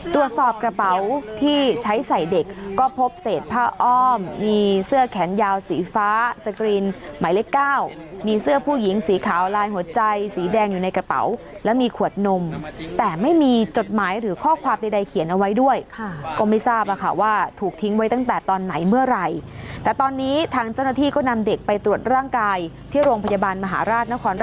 ตรวจสอบกระเป๋าที่ใช้ใส่เด็กก็พบเศษผ้าอ้อมมีเสื้อแขนยาวสีฟ้าสกรีนหมายเลขเก้ามีเสื้อผู้หญิงสีขาวลายหัวใจสีแดงอยู่ในกระเป๋าและมีขวดนมแต่ไม่มีจดหมายหรือข้อความใดเขียนเอาไว้ด้วยค่ะก็ไม่ทราบอะค่ะว่าถูกทิ้งไว้ตั้งแต่ตอนไหนเมื่อไหร่แต่ตอนนี้ทางเจ้าหน้าที่ก็นำเด็กไปตรวจร่างกายที่โรงพยาบาลมหาราชนคร